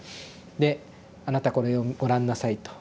で「あなたこれをご覧なさい」と。